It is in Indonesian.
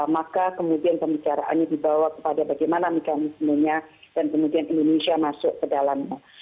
maka kemudian pembicaraannya dibawa kepada bagaimana mekanismenya dan kemudian indonesia masuk ke dalamnya